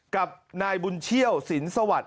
กับนายบุญเชี่ยวสินสวัสดิ